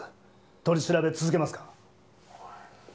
取り調べ続けますか？